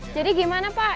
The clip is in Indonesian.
jadi gimana pak